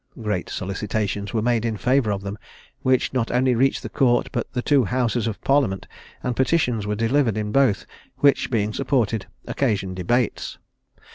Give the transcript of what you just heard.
Great solicitations were made in favour of them, which not only reached the court, but the two houses of parliament, and petitions were delivered in both, which being supported, occasioned debates.